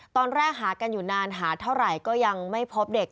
ตอนแรกหากันอยู่นานหาเท่าไหร่ก็ยังไม่พบเด็ก